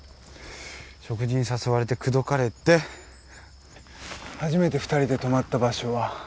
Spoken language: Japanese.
食事に誘われて口説かれて初めて２人で泊まった場所は。